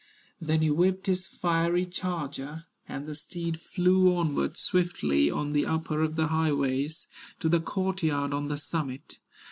Then he whipped his fiery charger, And the steed flew onward swiftly, On the upper of the highways, To the court yard on the summit.